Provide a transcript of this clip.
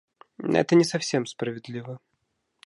Это не совсем справедливо.